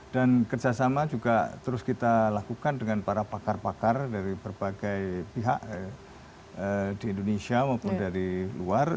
dan kerjasama juga terus kita lakukan dengan para pakar pakar dari berbagai pihak di indonesia maupun dari luar